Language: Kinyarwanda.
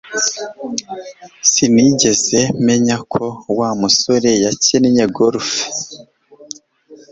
Sinigeze menya ko Wa musore yakinnye golf